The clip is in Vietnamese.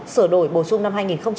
sửa đổi bổ sung năm hai nghìn một mươi